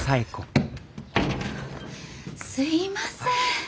すいません。